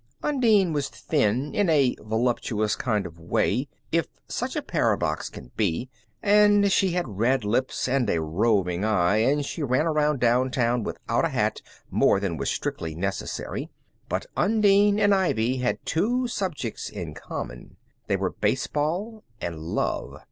Undine was thin in a voluptuous kind of way, if such a paradox can be, and she had red lips, and a roving eye, and she ran around downtown without a hat more than was strictly necessary. But Undine and Ivy had two subjects in common. They were baseball and love.